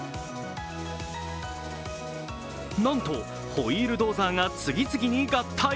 なんと、ホイールドーザーが次々に合体。